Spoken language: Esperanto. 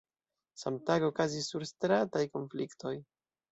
Samtage okazis surstrataj konfliktoj.